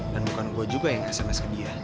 dan bukan gue juga yang sms ke dia